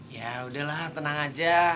ya udahlah tenang aja